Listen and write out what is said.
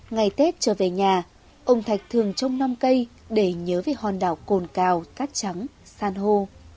ngày tết trở về nhà ông thạch thường trông non cây để nhớ về hòn đảo cồn cào cát trắng san hô